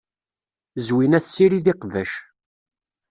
Zwina tessirid iqbac.